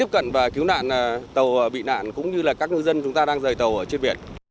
các tàu cá đang rời tàu ở trên biển